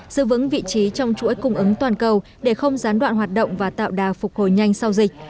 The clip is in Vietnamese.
giữ vững vị trí trong chuỗi cung ứng toàn cầu để không gián đoạn hoạt động và tạo đà phục hồi nhanh sau dịch